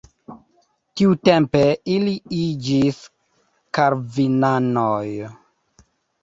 Tiutempe ili iĝis kalvinanoj.